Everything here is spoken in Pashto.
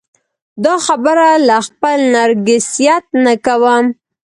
دا خبره له خپل نرګسیت نه کوم.